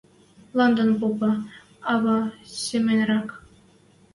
Ладнан попа, ӓвӓ семӹньрӓк: